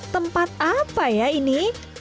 tempat apa ya ini